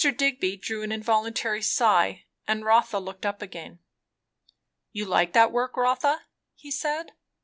Digby drew an involuntary sigh, and Rotha looked up again. "You like that work, Rotha," he said.